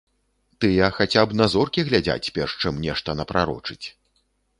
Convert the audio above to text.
Тыя хаця б на зоркі глядзяць, перш чым нешта напрарочыць.